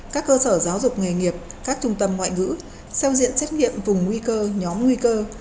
các cơ sở giáo dục nghề nghiệp các trung tâm ngoại ngữ sao diện xét nghiệm vùng nguy cơ nhóm nguy cơ